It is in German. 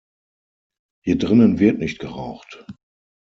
Hier drinnen wird nicht geraucht!